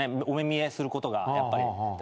お目見えすることがやっぱり。